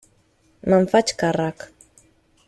Me'n faig càrrec.